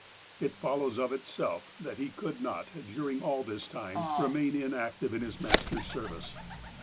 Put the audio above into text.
It follows of itself, that he could not, during all this time, remain inactive in his Master's service.